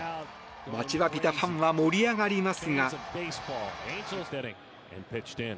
待ちわびたファンは盛り上がりますが。